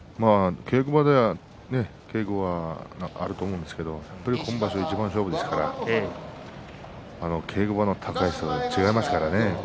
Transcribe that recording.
稽古場では稽古、あると思うんですが本場所は一番勝負ですから稽古場とは違いますからね。